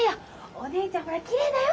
お姉ちゃんほらきれいだよ！